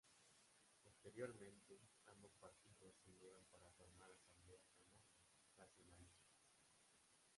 Posteriormente ambos partidos se unieron para formar Asamblea Canaria Nacionalista.